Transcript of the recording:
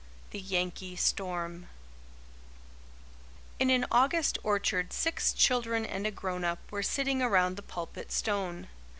THE YANKEE STORM In an August orchard six children and a grown up were sitting around the pulpit stone.